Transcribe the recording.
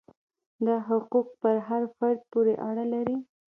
دا حقوق پر هر فرد پورې اړه لري.